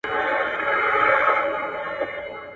نازو انا د نرګس له سترګو اوښکې ویني.